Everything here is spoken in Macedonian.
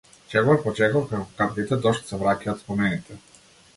Чекот по чекор како капките дожд се враќаат спомените.